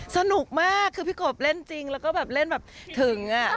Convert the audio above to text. สนุกมากคือพี่โขปเล่นจริงแล้วก็เล่นแบบถึง